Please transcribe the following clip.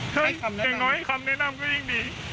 ให้คำแนะนำนะครับอย่างน้อยคำแนะนำก็ยิ่งดี